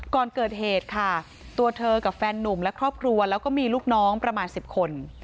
ก่อนเกิดเหตุค่ะตัวเธอกับแฟนนุ่มและครอบครัวแล้วก็มีลูกน้องประมาณ๑๐คน